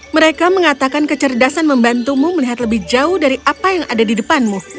mereka mengatakan kecerdasan membantumu melihat lebih jauh dari apa yang ada di depanmu